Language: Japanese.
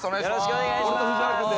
お願いします。